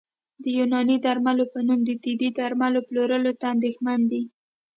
د یوناني درملو په نوم د طبي درملو پلور ته اندېښمن دي